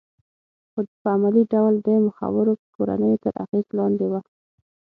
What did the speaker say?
خو په عملي ډول د مخورو کورنیو تر اغېز لاندې وه